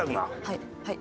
はい。